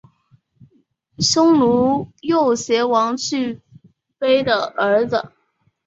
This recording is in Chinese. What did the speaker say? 匈奴右贤王去卑的儿子。